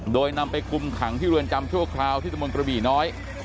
โดยนำไปคุมขังที่เรือนจำชั่วคราวที่ตะมนต์กระบี่น้อย